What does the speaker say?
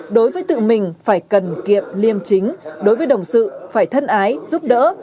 đối với tự mình phải cần kiệm liêm chính đối với đồng sự phải thân ái giúp đỡ